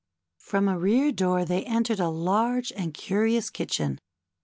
173 From a rear door they entered a large and curious kitchen.